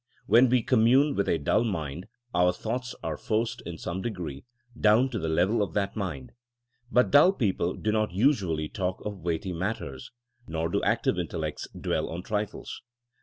When we com mune with a dull mind, our thoughts are forced, in some degree, down to the level of that mind. But dull people do not usually talk of weighty matters, nor do active intellects dwell long on trifles.